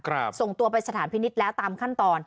ส่งตัวไปสถานพินิษฐ์แล้วตามขั้นตอน